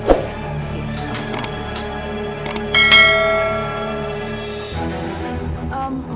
makasih ya sama sama